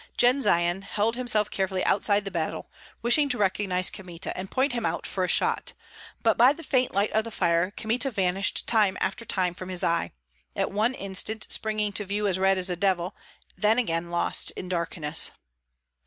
Jendzian held himself carefully outside the battle, wishing to recognize Kmita, and point him out for a shot; but by the faint light of the fire Kmita vanished time after time from his eye, at one instant springing to view as red as a devil, then again lost in darkness.